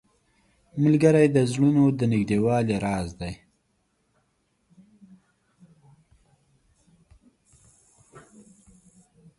ملګری د زړونو د نږدېوالي راز دی